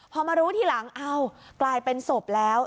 พอมารู้ทีหลังอ้าวกลายเป็นศพแล้ว